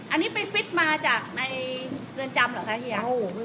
อันนี้ไปฟิตมาจากในเรือนจำเหรอคะเฮีย